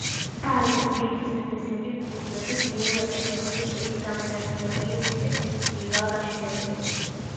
ბალის ბრინჯის ნათესები ქურუმების მიერ გაკეთებული წყლის გამანაწილებელი სისტემების ირგვლივაა გაშენებული.